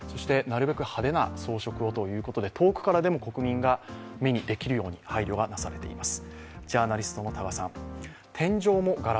なるべく派手な装飾をということで、遠くからでも国民が目にできるような配慮がなされています。